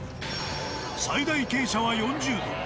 最大傾斜は４０度。